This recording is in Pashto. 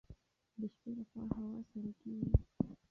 د شپې لخوا هوا سړه کیږي.